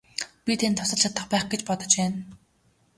Би танд тусалж чадах байх гэж бодож байна.